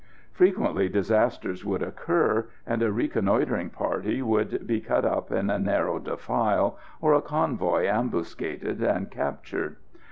Frequently disasters would occur, and a reconnoitring party would be cut up in a narrow defile, or a convoy ambuscaded and captured.